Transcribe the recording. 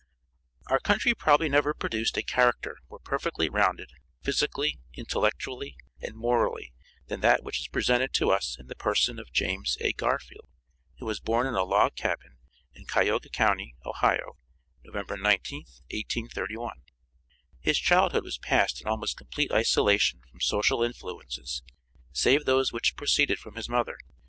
Our country probably never produced a character more perfectly rounded, physically, intellectually and morally than that which is presented to us in the person of James A. Garfield, who was born in a log cabin in Cuyahoga county, Ohio, November 19th, 1831. His childhood was passed in almost complete isolation from social influences, save those which proceeded from his mother.